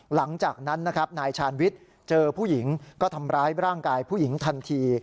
หลังจากนั้นนะครับนายชาญวิทย์เจอผู้หญิงก็ทำร้ายร่างกายผู้หญิงทันที